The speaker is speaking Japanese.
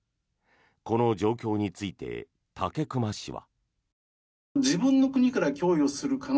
この状況について、武隈氏は。